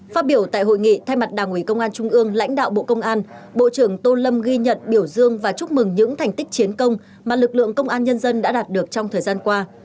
phát biểu tại hội nghị thay mặt đảng ủy công an trung ương lãnh đạo bộ công an bộ trưởng tô lâm ghi nhận biểu dương và chúc mừng những thành tích chiến công mà lực lượng công an nhân dân đã đạt được trong thời gian qua